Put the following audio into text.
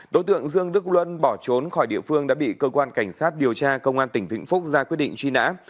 đối tượng dương đức luân bỏ trốn khỏi địa phương đã bị cơ quan cảnh sát điều tra công an tỉnh vĩnh phúc ra quyết định truy nã